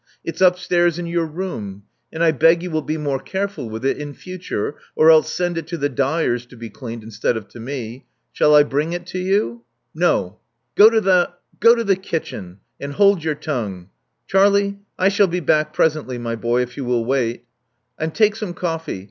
It's upstairs in your room ; and I beg you will be more careful with it in future, or else send it to the dyers to be cleaned instead of to me. Shall I bring it to you?" No. Go to the — go to the kitchen; and hold your tongue. Charlie: I shall be back presently, my boy, if you will wait. And take some coffee.